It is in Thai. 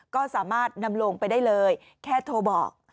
ก็สามารถนำลงไปได้เลยแค่โทรบอก